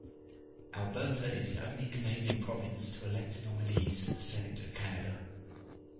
Alberta is the only Canadian province to elect nominees for the Senate of Canada.